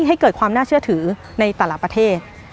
ให้เกิดความน่าเชื่อถือในแต่ละประเทศ